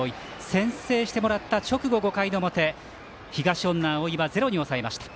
先制してもらった直後５回の表東恩納蒼は０に抑えました。